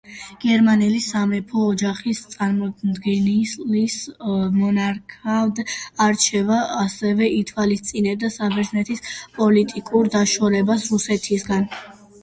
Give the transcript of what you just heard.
გერმანელი სამეფო ოჯახის წარმომადგენლის მონარქად არჩევა ასევე ითვალისწინებდა საბერძნეთის პოლიტიკურ დაშორებას რუსეთისგან.